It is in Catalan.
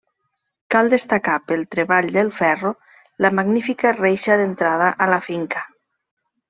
Cal destacar, pel treball del ferro, la magnífica reixa d'entrada a la finca.